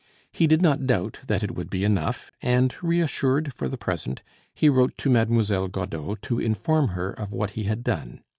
He did not doubt that it would be enough, and, reassured for the present, he wrote to Mademoiselle Godeau to inform her of what he had done.